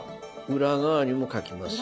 裏側にも書きます。